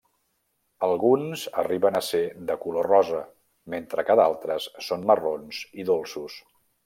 Alguns arriben a ser de color rosa, mentre que d'altres són marrons i dolços.